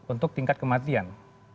untuk tingkat kematian